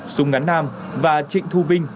súng ngắn nam và trịnh thu vinh